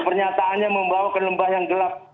pernyataannya membawa kelembah yang gelap